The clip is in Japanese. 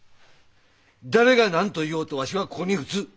誰が何と言おうとわしはここに打つ。